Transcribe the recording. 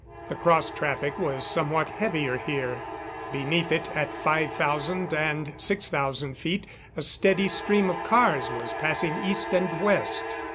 The cross traffic was somewhat heavier here. Beneath it, at 5,000 and 6,000 feet, a steady stream of cars was passing east and west.